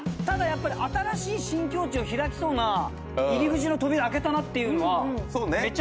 ただやっぱり新しい新境地を開きそうな入り口の扉開けたなっていうのはそうね